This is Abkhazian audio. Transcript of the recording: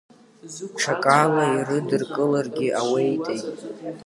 Ҽакала ирыдыркыларгьы ауеитеи…